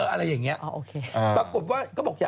อะไรอย่างนี้ปรากฏว่า